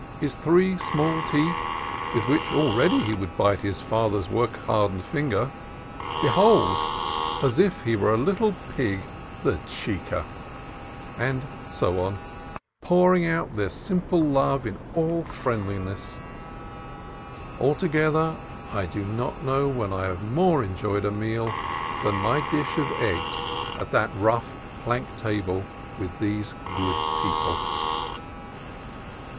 his three small teeth with which already he would bite his father's work hardened finger, behold ! as if he were a little pig, the chical And so on, pouring out their simple love in all friendliness. Altogether, I do not know when I have more enjoyed a meal than my dish of eggs at that rough plank table with these good people.